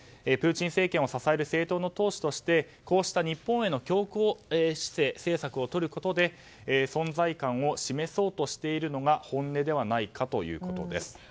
プーチン政権を支える政党の党首としてこうした日本への強硬政策をとることで存在感を示そうとしているのが本音ではないかということです。